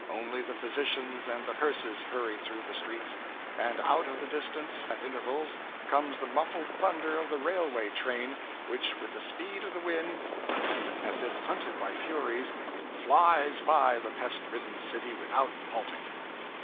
Only the physicians and the hearses hurry through the streets; and out of the distance, at intervals, comes the muffled thunder of the railway train, which with the speed of the wind, and as if hunted by furies, flies by the pest ridden city without halting.'